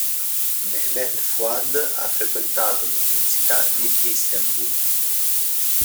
Mehmet Fuad ha frequentato l'Università di Istanbul.